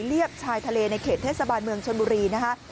เบียบชายทะเลในเขตเทศบาลเมืองชนบุรีนะคะ